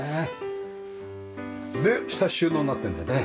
で下収納になってるんだよね。